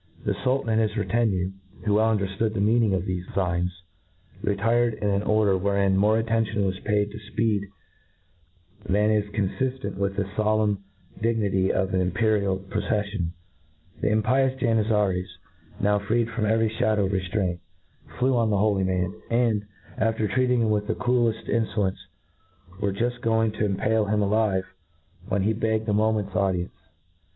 The Sultan and his retinue, who well undcrtlood the meaning of thefe figns, retired in an order wherein more attention was paid to Ipced than is confiflent with the folemn dignity of an impe rial proceffion. The impious Janizaries, now freed from every fhadowof reftraint, flew on the holy man, and, after treating him with the cruel ' eft k04 INTRO I^UCTION. eft info1enee,i)mre joft gobig td impale him ^\vc ^^when he begged a ttmiieiit's aodienoe.